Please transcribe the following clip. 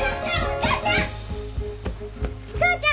・お母ちゃん！